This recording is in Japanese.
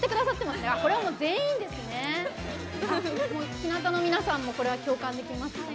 日向の皆さんもこれは共感できますか？